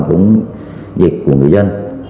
của người dân